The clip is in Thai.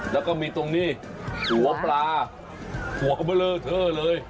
แล้วก็มีตรงนี้หัวปลาหัวเมลอเธอเลย